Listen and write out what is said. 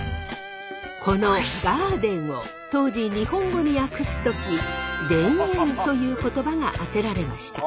この「ガーデン」を当時日本語に訳す時「田園」という言葉が当てられました。